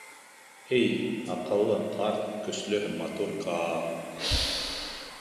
Эй, аҡыллы, ҡарт, көслө һәм матур Каа!